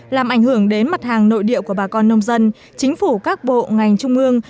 làm ảnh hưởng đến mặt hàng nội địa của bà con nông dân chính phủ các bộ ngành trung ương